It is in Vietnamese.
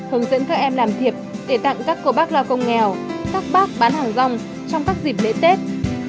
hướng dẫn các em làm thiệp để tặng các cô bác lo công nghèo các bác bán hàng rong trong các dịp lễ tết